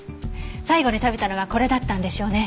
最後に食べたのがこれだったんでしょうね。